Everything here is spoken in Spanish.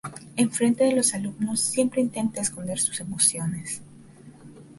Enfrente de los alumnos siempre intenta esconder sus emociones.